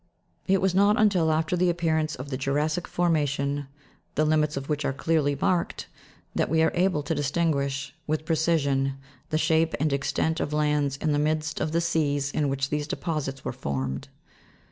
It was not until after the appearance of the jura'ssic forma tion, the limits of which are clearly marked, that we are able to distinguish, with precision, the shape and extent of lands in the midst of seas in which these deposits were formed.